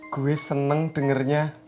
gue seneng dengernya